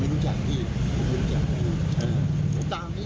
พี่รู้จัก๕คนันไม่เป็นไรผมโอเคไม่รู้จักพี่